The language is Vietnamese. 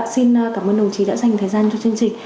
xin cảm ơn đồng chí đã dành thời gian cho chương trình